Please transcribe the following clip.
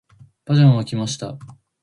パジャマを着ました。